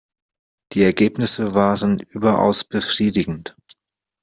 Die Ergebnisse waren überaus befriedigend.